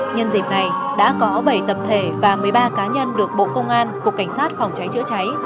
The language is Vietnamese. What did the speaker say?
nhân dịp này đã có bảy tập thể và một mươi ba cá nhân được bộ công an cục cảnh sát phòng cháy chữa cháy